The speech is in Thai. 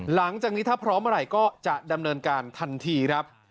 หลังจากนี้ถ้าพร้อมเมื่อไหร่ก็จะดำเนินการทันทีครับ